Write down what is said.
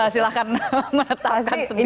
silahkan menetapkan sendiri